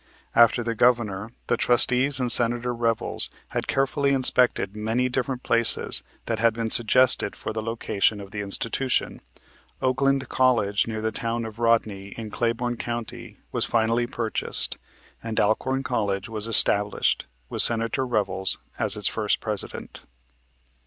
After the Governor, the trustees and Senator Revels had carefully inspected many different places that had been suggested for the location of the institution, Oakland College near the town of Rodney in Claiborne County, was finally purchased, and Alcorn College was established, with Senator Revels as its first president.